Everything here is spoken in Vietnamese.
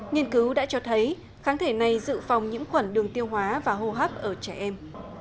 nghiên cứu đã cho thấy kháng thể này dự phòng nhiễm khuẩn đường tiêu hóa và hô hấp ở trẻ em